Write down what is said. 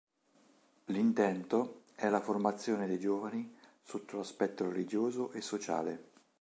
L'intento è la formazione dei giovani sotto l'aspetto religioso e sociale.